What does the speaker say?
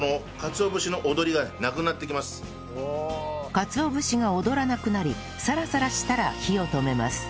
かつお節が踊らなくなりサラサラしたら火を止めます